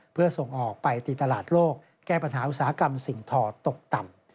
เพื่อส่งออกไปตีตลาดโลกแก้ปัญหาอุตสาหกรรมสิ่งทอตกต่ำ